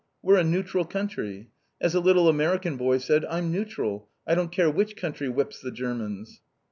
We're a neutral country. As a little American boy said, 'I'm neutral! I don't care which country whips the Germans!'"